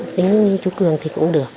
tính như chú cường thì cũng được